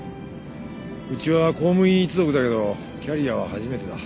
うちは公務員一族だけどキャリアは初めてだ。